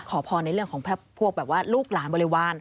ขอพรในเรื่องของพวกแบบว่าลูกหลานบริวาร